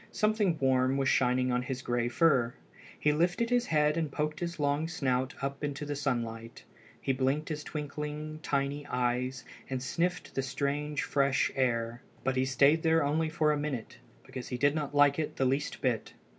Something warm was shining on his gray fur. He lifted his head and poked his long snout up into the sunlight. He blinked his twinkling, tiny eyes and sniffed the strange fresh air. But he stayed there only for a minute, because he did not like it the least bit.